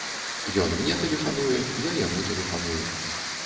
Ён мне тэлефануе, я яму тэлефаную.